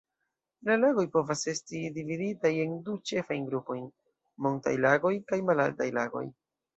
La lagoj povas esti dividitaj en du ĉefajn grupojn: montaj lagoj kaj malaltaj lagoj.